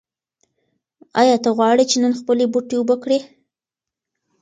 ایا ته غواړې چې نن خپل بوټي اوبه کړې؟